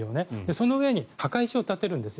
その上に墓石を建てるんです。